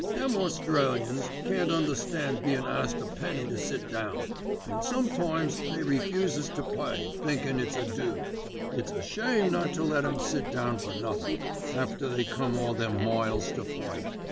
"Them Australians can't understand bein' asked a penny to sit down, and sometimes they refuses to pay, thinking it's a do. It's a shame not to let 'em sit down for nothink, after they come all them miles to fight.